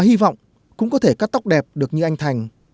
hy vọng cũng có thể cắt tóc đẹp được như anh thành